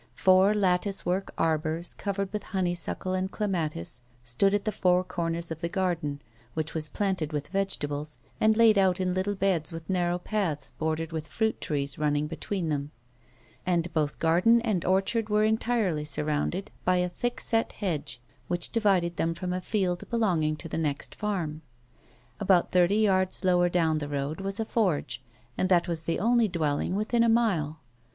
Four lattice work arbours covered with honeysuckle and clematis stood at the four corners of the garden, which was planted with vegetable, and laid out in little beds with narrow paths bordered with fruit trees running between them, and both garden and orchard were entirely surrounded by a thickset hedge which divided them from a field belonging to the next farm About thirty yards lower down the road was a forge, and that was the only dwelling within a mile.